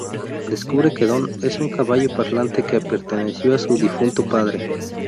Descubre que Don es un caballo parlante que perteneció a su difunto padre.